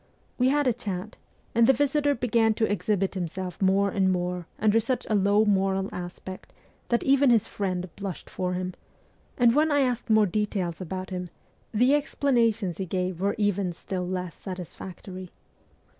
We had a chat, and the visitor began to exhibit himself more and more under such a low moral aspect that even his friend blushed for him, and when I asked more details about him, the explanations he 294 MEMOIRS OF A REVOLUTIONIST gave were even still less satisfactory.